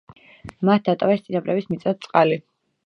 მათ დატოვეს წინაპრების მიწა-წყალი.